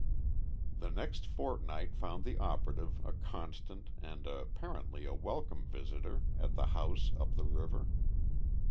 The next fortnight found the operative a constant and apparently a welcome visitor at the house up the river.